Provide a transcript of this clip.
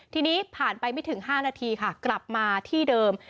ทีนี้ผ่านไปไม่ถึง๕นาทีค่ะกลับมาที่เดิม